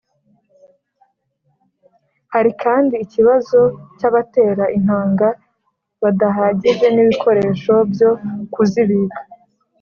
Hari kandi ikibazo cy‘abatera intanga badahagije n’ibikoresho byo kuzibik